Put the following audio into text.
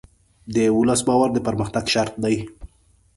د ولس باور د پرمختګ شرط دی.